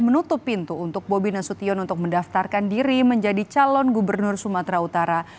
mendaftarkan diri menjadi calon gubernur sumatera utara